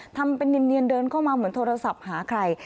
ทำเป็นเนียนเดินเข้ามาเหมือนโทรศัพท์หาใคร